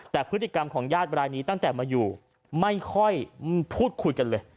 แต่พฤติกรรมของญาติบรายนี้ตั้งแต่มาอยู่ไม่ค่อยพูดคุยกันเลย